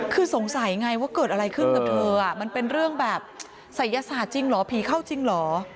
คือสงสัยไงว่าเกิดอะไรขึ้นกับเธอมันเป็นเรื่องแบบศัยศาสตร์จริงเหรอผีเข้าจริงเหรอ